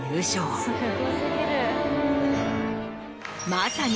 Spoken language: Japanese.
まさに。